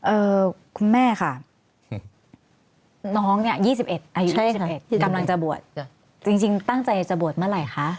เอ่อคุณแม่ค่ะน้องเนี่ยอายุ๒๑คำลังจะบวชจริงตั้งใจจะบวชเมื่อไหร่คะ